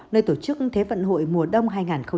nơi tổ chức thế vận hội mùa đông hai nghìn hai mươi